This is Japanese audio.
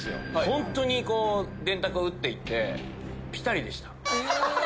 本当に電卓打っていってピタリでした。